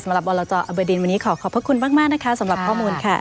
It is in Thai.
สำหรับบรจอเบดินวันนี้ขอขอบพระคุณมากนะคะสำหรับข้อมูลค่ะ